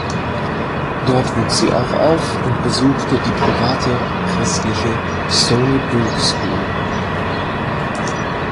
Dort wuchs sie auch auf und besuchte die private christliche "Stony Brook School".